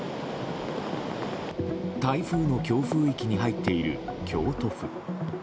台風の強風域に入っている京都府。